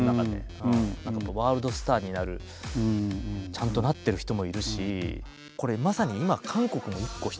ワールドスターになるちゃんとなってる人もいるし。